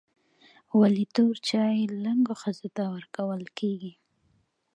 ولي توري چای و لنګو ښځو ته ورکول کیږي؟